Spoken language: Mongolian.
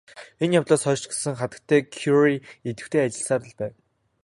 Энэ явдлаас хойш ч гэсэн хатагтай Кюре идэвхтэй ажилласаар л байв.